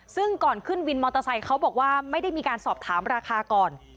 ซึ่งก่อนขึ้นวินมอเตอร์ไซค์เขาบอกว่าไม่ได้มีการสอบถามราคาก่อน